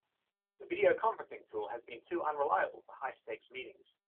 The video conferencing tool had been too unreliable for high-stakes meetings.